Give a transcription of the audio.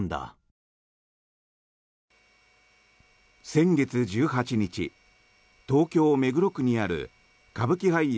先月１８日東京・目黒区にある歌舞伎俳優